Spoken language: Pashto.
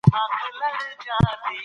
چي دهقان دلته